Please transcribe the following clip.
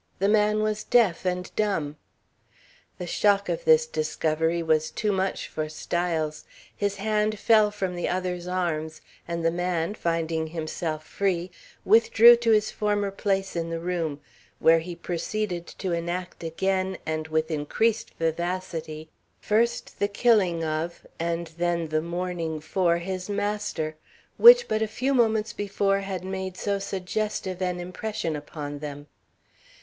The man was deaf and dumb. The shock of this discovery was too much for Styles. His hand fell from the other's arms, and the man, finding himself free, withdrew to his former place in the room, where he proceeded to enact again and with increased vivacity first the killing of and then the mourning for his master, which but a few moments before had made so suggestive an impression upon them.